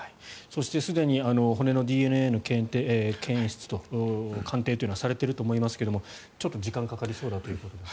そしてすでに骨のＤＮＡの検出、鑑定というのはされていると思いますがちょっと時間がかかりそうだということで。